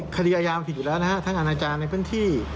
คดีอายามันผิดอยู่แล้วนะฮะทั้งอาณาจารย์ในพื้นที่